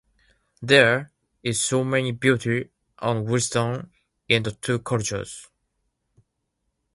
There is so much beauty and wisdom in the two cultures.